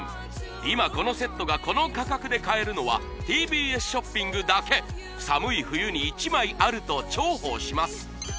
今このセットがこの価格で買えるのはＴＢＳショッピングだけ寒い冬に１枚あると重宝します